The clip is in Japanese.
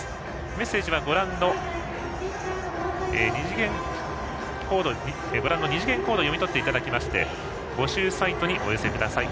メッセージはご覧の二次元コードを読み取っていただきまして募集サイトにお寄せください。